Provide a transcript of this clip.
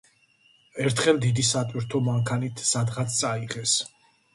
ერთხელ დიდი სატვირთო მანქანით სადღაც წაიღეს.